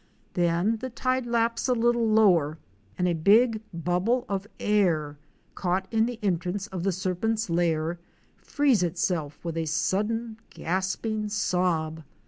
Then the tide laps a little lower, and a big bubble of air, caught in the entrance of the serpent's lair, frees itself with a sudden gasping sob.